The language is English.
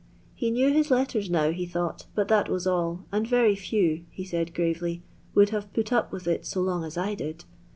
He knew his letters now, he thooght, but that was all, and very few," he said, gravely, " would have put up with it so long as I did."